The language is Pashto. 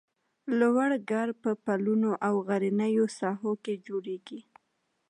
لوړ کرب په پلونو او غرنیو ساحو کې جوړیږي